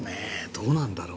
どうなんだろう？